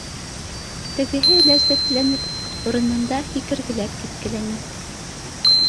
Тегеһе ләззәтләнеп, урынында һикергеләп киткеләне: